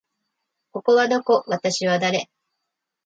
ここはどこ？私は誰？